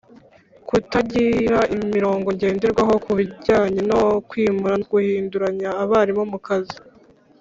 kutagira imirongo ngenderwaho ku bijyanye no kwimura no guhinduranya abarimu mu kazi.